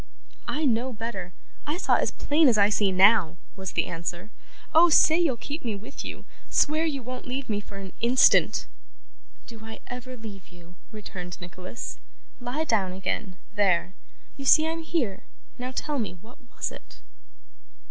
'I know better. I saw as plain as I see now,' was the answer. 'Oh! say you'll keep me with you. Swear you won't leave me for an instant!' 'Do I ever leave you?' returned Nicholas. 'Lie down again there! You see I'm here. Now, tell me; what was it?